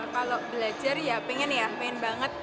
kalau belajar ya pengen ya pengen banget